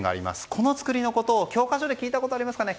この造りのことを、教科書で聞いたことありますかね